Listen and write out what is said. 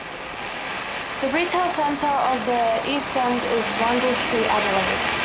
The retail centre of the East End is Rundle Street, Adelaide.